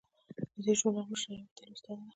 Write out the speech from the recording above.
د دې ژورنال مشره یوه وتلې استاده ده.